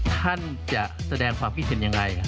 ท่านจะแสดงความคิดเห็นยังไง